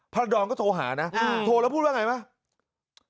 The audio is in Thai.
พระราดรก็โทรหานะโทรแล้วพูดว่าอย่างไรนะ